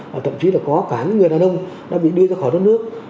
và thậm chí là có cả những người đàn ông đã bị đưa ra khỏi đất nước